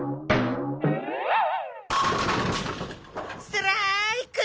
ストライク！